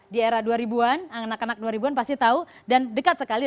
di era dua ribu an anak anak dua ribu an pasti tahu dan dekat sekali